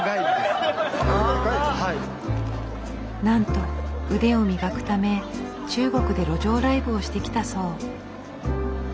なんと腕を磨くため中国で路上ライブをしてきたそう。